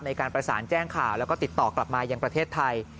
ในการประสานแจ้งข่าวแล้วก็ติดต่อกลับมายังประเทศไทย